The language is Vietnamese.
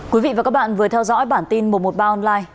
quý vị và các bạn vừa theo dõi bản tin một trăm một mươi ba online